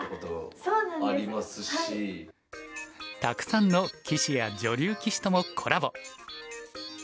たくさんの棋士や女流棋士ともコラボ。